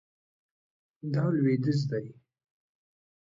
دا لویدیځ دی